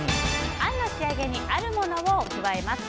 あんの仕上げにあるものを加えます。